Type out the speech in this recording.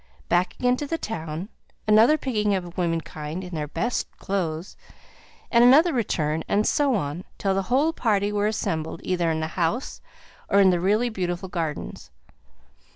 Back again to the town; another picking up of womankind in their best clothes, and another return, and so on till the whole party were assembled either in the house or in the really beautiful gardens.